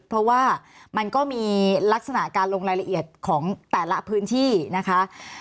เพราะว่ามันก็มีลักษณะการลงรายละเอียดของแต่ละพื้นที่นะคะ